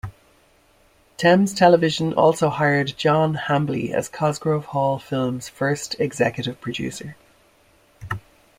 Thames Television also hired John Hambley as Cosgrove Hall Films' first executive producer.